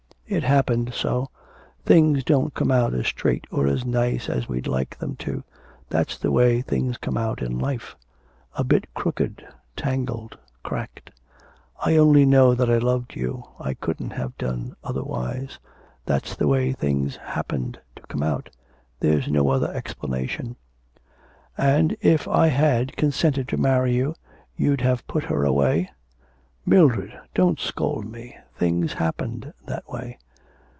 'It happened so. Things don't come out as straight or as nice as we'd like them to that's the way things come out in life a bit crooked, tangled, cracked. I only know that I loved you, I couldn't have done otherwise. That's the way things happened to come out. There's no other explanation.' 'And if I had consented to marry you, you'd have put her away.' 'Mildred, don't scold me. Things happened that way.'